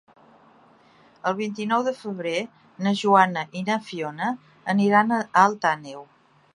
El vint-i-nou de febrer na Joana i na Fiona aniran a Alt Àneu.